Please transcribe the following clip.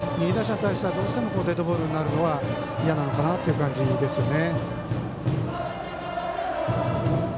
ですから、右打者に対してはデッドボールになるのが嫌なのかなという感じですよね。